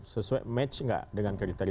sesuai match nggak dengan kredit